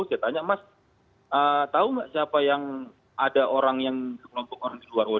saya tanya mas tahu nggak siapa yang ada orang yang di luar hotel